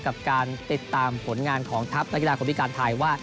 กับการติดตามผลงานของทัพนักกีฬาคนพิการไทยว่า